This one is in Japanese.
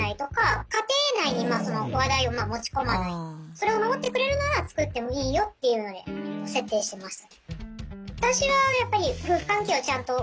それを守ってくれるならつくってもいいよっていうので設定してました。